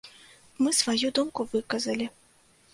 Мы сваю думку выказалі.